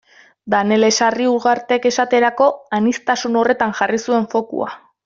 Danele Sarriugartek esaterako aniztasun horretan jarri zuen fokua.